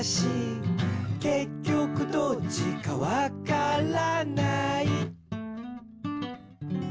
「けっきょくどっちかわからない」